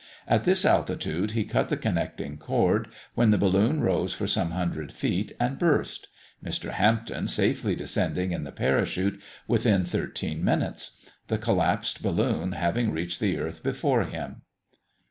At this altitude, he cut the connecting cord, when the balloon rose for some hundred feet, and burst; Mr. Hampton safely descending in the parachute, within thirteen minutes; the collapsed balloon having reached the earth before him.